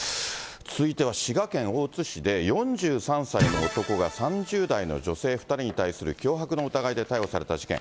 続いては滋賀県大津市で、４３歳の男が３０代の女性２人に対する脅迫の疑いで逮捕された事件。